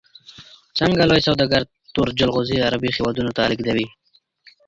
څنګه لوی سوداګر تور جلغوزي عربي هیوادونو ته لیږدوي؟